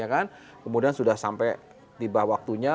kemudian sudah sampai tiba waktunya